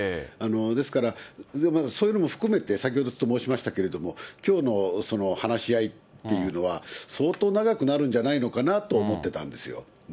ですから、そういうのも含めて、先ほどちょっと申しましたけれども、きょうの話し合いっていうのは、相当長くなるんじゃないのかなと思ってたんですよ。